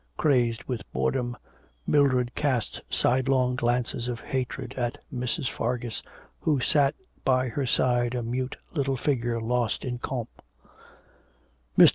Crazed with boredom Mildred cast side long glances of hatred at Mrs. Fargus, who sat by her side a mute little figure lost in Comte. Mr.